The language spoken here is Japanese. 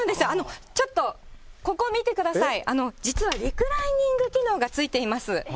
ちょっとここ見てください、実はリクライニング機能が付いています。